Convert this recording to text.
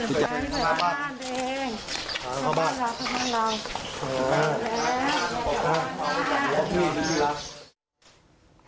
ขอบคุณค่ะขอบคุณค่ะ